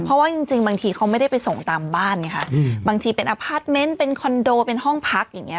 เพราะว่าจริงบางทีเขาไม่ได้ไปส่งตามบ้านไงค่ะบางทีเป็นอพาร์ทเมนต์เป็นคอนโดเป็นห้องพักอย่างเงี้